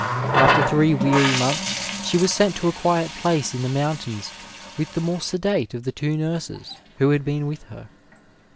After three weary months she was sent to a quiet place in the moontains with the more sedate of the two nurses who had been with her.